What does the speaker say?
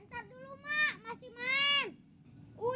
ntar dulu mak masih main